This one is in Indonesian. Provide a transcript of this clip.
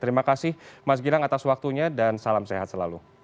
terima kasih mas gilang atas waktunya dan salam sehat selalu